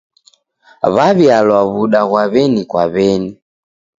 W'aw'ialwa w'uda ghwa w'eni kwa w'eni.